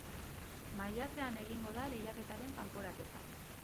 Maiatzean egingo da lehiaketaren kanporaketa.